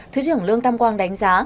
thứ trưởng lương tâm quang đánh giá